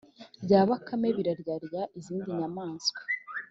bya bakame biryarya izindi nyamaswa.